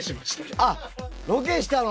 ああ、ロケしたの？